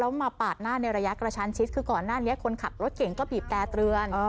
แล้วมาปาดหน้าในระยะกระชั้นชิดคือก่อนหน้านี้คนขับรถเก่งก็บีบแต่เตือน